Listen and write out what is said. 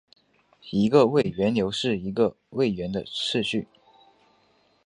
一个位元流是一个位元的序列。